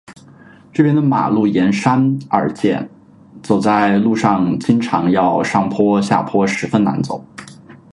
这边的马路沿山而建，走在路上经常要上坡下坡，十分难走。